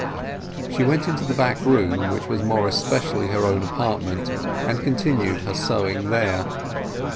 She went into the back room, which was more especially her own apartment, and continued her sewing there.